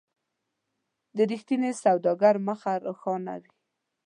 د رښتیني سوداګر مخ روښانه وي.